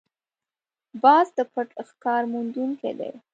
باز د پټ ښکار موندونکی دی